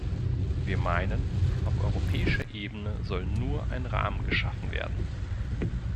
Wir meinen, auf europäischer Ebene soll nur ein Rahmen geschaffen werden.